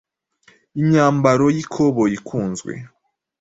Imyambaro y’ikoboyi ikunzwe